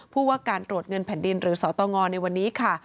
ผู้ว่าการตรวจเงินแผ่นดินหรือสตงในวันนี้ค่ะ